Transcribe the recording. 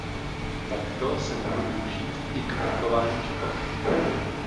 Takto se mohl využít i k blokování čepele.